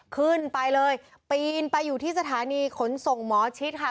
ขึ้นไปเลยปีนไปอยู่ที่สถานีขนส่งหมอชิดค่ะ